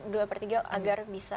dua per tiga agar bisa